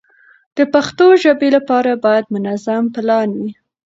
د پښتو ژبې لپاره باید منظم پلان وي.